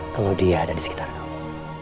kalau dia ada di sekitar kamu